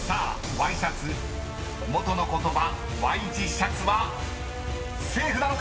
Ｙシャツ元の言葉Ｙ字シャツはセーフなのか？